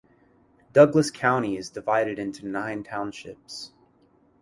Douglas County is divided into nine townships.